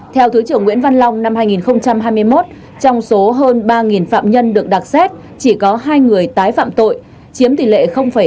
theo thứ trưởng nguyễn văn long năm hai nghìn hai mươi một trong số hơn ba phạm nhân được đặc xét chỉ có hai người tái phạm tội chiếm tỷ lệ ba mươi